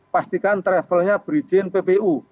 pastikan travelnya berizin ppu